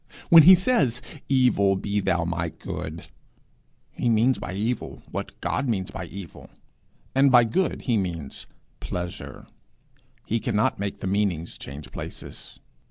When he says, 'Evil, be thou my good,' he means by evil what God means by evil, and by good he means pleasure. He cannot make the meanings change places.